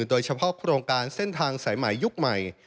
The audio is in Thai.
โดยเฉพาะโครงการเส้นทางสายใหม่ยุคใหม่